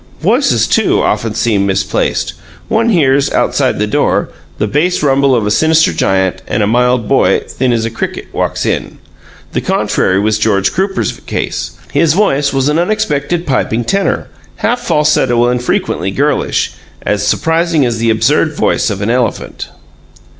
Voices, too, often seem misplaced; one hears, outside the door, the bass rumble of a sinister giant, and a mild boy, thin as a cricket, walks in. The contrary was George Crooper's case; his voice was an unexpected piping tenor, half falsetto and frequently girlish as surprising as the absurd voice of an elephant.